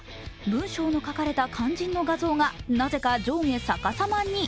文章の書かれた肝心の画像がなぜか上下逆さまに。